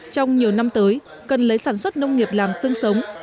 trong nhiều năm tới cần lấy sản xuất nông nghiệp làm sương sống